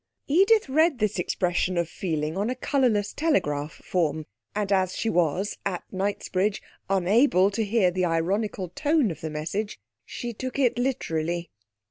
'_ Edith read this expression of feeling on a colourless telegraph form, and as she was, at Knightsbridge, unable to hear the ironical tone of the message she took it literally.